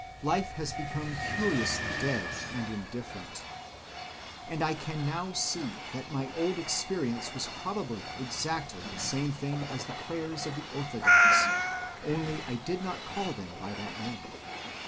Life has become curiously dead and indifferent; and I can now see that my old experience was probably exactly the same thing as the prayers of the orthodox, only I did not call them by that name.